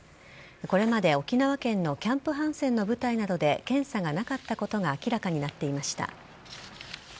これまで沖縄県のキャンプ・ハンセンの部隊などで検査がなかったことが明らかになっていました。